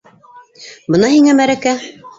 Бына һиңә мәрәкә!